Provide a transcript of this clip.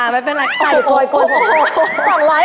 ไม่เป็นไร